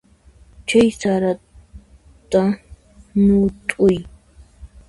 Chay sarata ñut'uy.